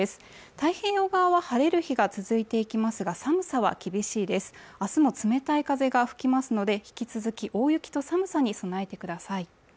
太平洋側は晴れる日が続いていきますが寒さは厳しいです明日も冷たい風が吹きますので引き続き大雪と寒さに備えてください